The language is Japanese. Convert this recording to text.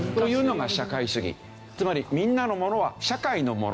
つまりみんなのものは社会のもの。